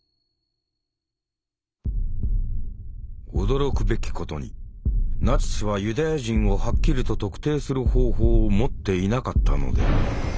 驚くべきことにナチスはユダヤ人をはっきりと特定する方法を持っていなかったのである。